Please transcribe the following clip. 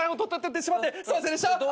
すいませんでした。